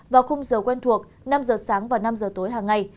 vào khung giờ quen thuộc năm h sáng và năm h tối hàng ngày